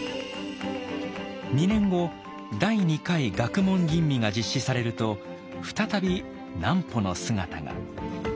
２年後第二回学問吟味が実施されると再び南畝の姿が。